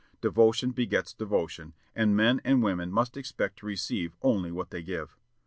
Devotion begets devotion, and men and women must expect to receive only what they give.